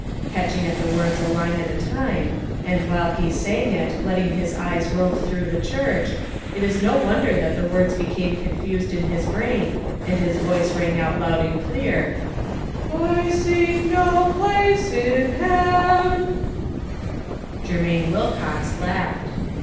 Catching at the words a line at a time, and while he sang it letting his eyes rove through the church, it is no wonder that the words became confused in his brain, and his voice rang out loud and clear, " I seek no place in heaven.'* Germain Wilcox laug^hed.